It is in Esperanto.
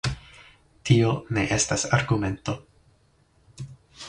Tio ne estas argumento.